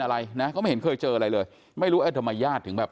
อะไรนะเขาไม่เห็นเคยเจออะไรเลยไม่รู้เอ๊ะทำไมญาติถึงแบบ